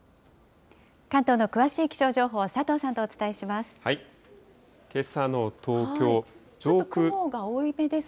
関東の詳しい気象情報、佐藤さんとお伝えします。